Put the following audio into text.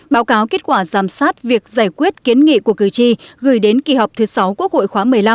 báo cáo kết quả giám sát việc giải quyết kiến nghị của cử tri gửi đến kỳ họp thứ sáu quốc hội khóa một mươi năm